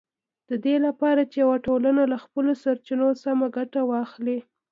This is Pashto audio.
د دې لپاره چې یوه ټولنه له خپلو سرچینو سمه ګټه واخلي